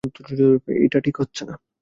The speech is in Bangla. এইটা ঠিক হচ্ছে না।